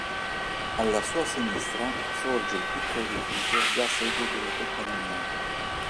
Alla sua sinistra sorge il piccolo edificio già sede della Compagnia.